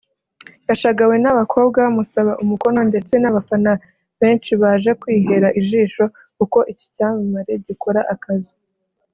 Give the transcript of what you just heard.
yashagawe n’abakobwa bamusaba umukono ndetse n’abafana benshi baje kwihera ijisho uko iki cyamamare gikora akazi